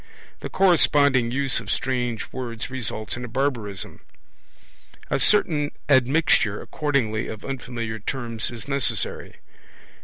The corresponding use of strange words results in a barbarism. A certain admixture, accordingly, of unfamiliar terms is necessary.